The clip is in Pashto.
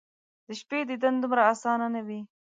د شپې دیدن دومره اسانه ،نه وي